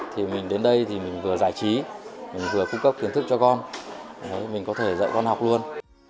thì mình đến đây thì mình vừa giải trí mình vừa cung cấp kiến thức cho con mình có thể dạy con học luôn